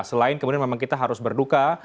selain kemudian memang kita harus berduka